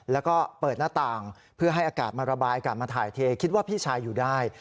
แล้วก็เปิดหน้าต่างเพื่อให้อากาศมาระบายอากาศมาถ่ายเทคิดว่าพี่ชายอยู่ได้